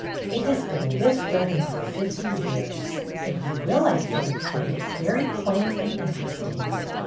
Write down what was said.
It has been in this building for fifty years, and you will, I think, find it very quaint and interesting."